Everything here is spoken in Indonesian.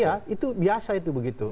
ya itu biasa itu begitu